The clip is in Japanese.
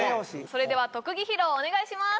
それでは特技披露お願いします